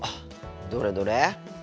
どれどれ？